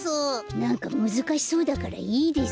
なんかむずかしそうだからいいです。